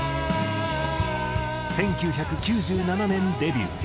１９９７年デビュー。